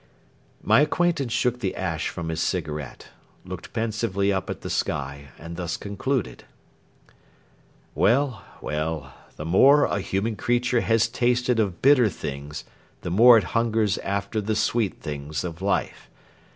My acquaintance shook the ash from his cigarette, looked pensively up at the sky, and thus concluded: Well, well, the more a human creature has tasted of bitter things the more it hungers after the sweet things of life.